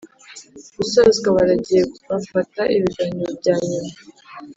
gusozwa baragiye bafata ibiganiro byanyuma